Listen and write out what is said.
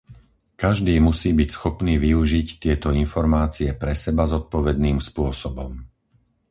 Každý musí byť schopný využiť tieto informácie pre seba zodpovedným spôsobom.